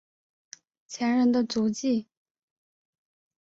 前人的足迹